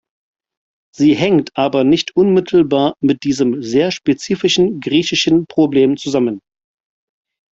Sie hängt aber nicht unmittelbar mit diesem sehr spezifischen griechischen Problem zusammen.